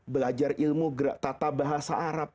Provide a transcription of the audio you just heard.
belajar ilmu gerak tata bahasa arab